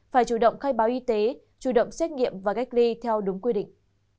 phải chủ động khai báo y tế chủ động xét nghiệm và cách ly theo đúng quy định